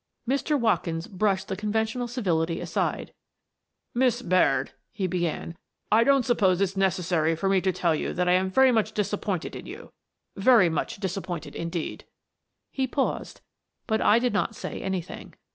Mr. Watkins brushed the conventional civility aside. " Miss Baird," he began, " I don't suppose it's necessary for me to tell you that I am very much disappointed in you — very much disappointed indeed." He paused, but I did not say anything.